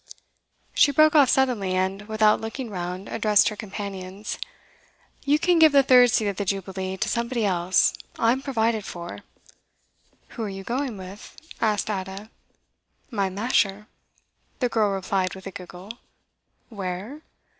She broke off suddenly, and, without looking round, addressed her companions. 'You can give the third seat at the Jubilee to somebody else. I'm provided for.' 'Who are you going with?' asked Ada. 'My masher,' the girl replied with a giggle. 'Where?